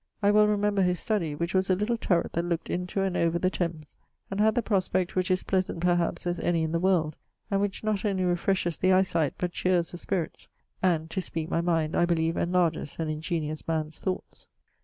I well remember his study, which was a little turret that looked into and over the Thames, and had the prospect which is pleasant perhaps as any in the world, and which not only refreshes the eie sight but cheeres the spirits, and (to speake my mind) I beleeve enlarges an ingeniose man's thoughts.